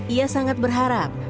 ia sangat berharap